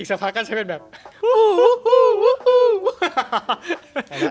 อีกสักพักก็ใช้เป็นแบบฮู้ฮู้ฮู้ฮู้ฮู้